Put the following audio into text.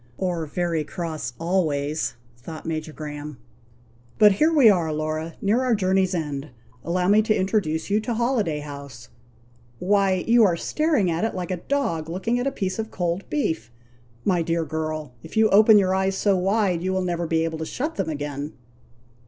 "Or very cross always," thought Major Graham. "But here we are, Laura, near our journey's end. Allow me to introduce you to Holiday House! Why, you are staring at it like a dog looking at a piece of cold beef! My dear girl, if you open your eyes so wide, you will never be able to shut them again!"